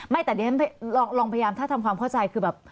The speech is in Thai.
ไม่แต่ร้องพยายามถ้าทำความเข้าใจคือแบบ